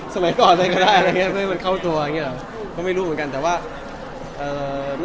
สมัยก่อนอะไรก็ได้เพื่อให้มันเข้าตัวเพราะไม่รู้เหมือนกัน